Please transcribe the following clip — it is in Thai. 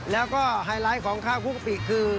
แล้วก็ไฮไลท์ของข้าวกุ้งกะปิคือ